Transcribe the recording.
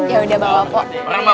ya udah bawa pak